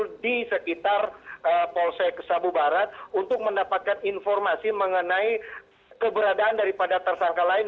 jadi sekitar mapolsek sabu barat untuk mendapatkan informasi mengenai keberadaan daripada tersangka lain